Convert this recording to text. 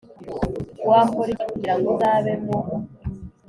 Wakora iki kugira ngo uzabe mu